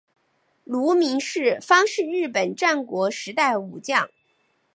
芦名氏方是日本战国时代武将。